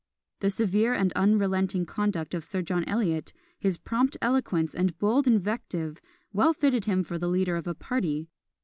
The severe and unrelenting conduct of Sir John Eliot, his prompt eloquence and bold invective, well fitted him for the leader of a party.